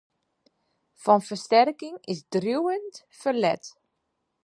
Fan fersterking is driuwend ferlet.